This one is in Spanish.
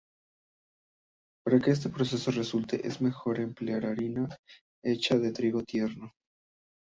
Para que este proceso resulte es mejor emplear harina hecha de trigo tierno.